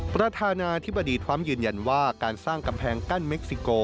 ประธานาธิบดีทรัมป์ยืนยันว่าการสร้างกำแพงกั้นเม็กซิโก